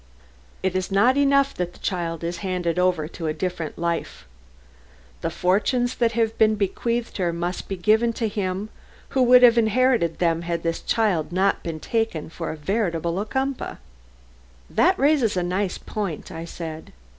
It is not enough that the child is handed over to a different life; the fortunes that have been bequeathed her must be given to him who would have inherited them had this child not been taken for a veritable Ocumpaugh." "That raises a nice point," I said.